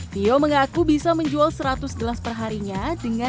vio mengaku bisa menjual seratus gelas perharinya